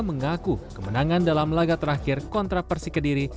mengaku kemenangan dalam laga terakhir kontra persik ke diri